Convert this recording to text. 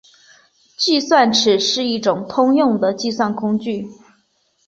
计算尺是一种通用的计算工具。